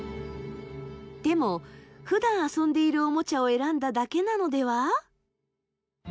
でもふだん遊んでいるおもちゃを選んだだけなのでは？